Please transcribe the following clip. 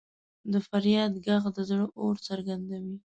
د فریاد ږغ د زړه اور څرګندوي.